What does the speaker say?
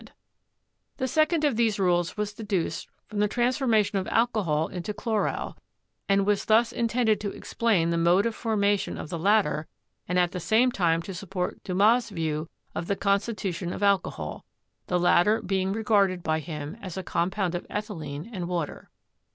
ORGANIC CHEMISTRY 231 The second of these rules was deduced from the trans formation of alcohol into chloral, and was thus intended to explain the mode of formation of the latter and at the same time to support Dumas' view of the constitution of alcohol, the latter being regarded by him as a compound of ethylene and water.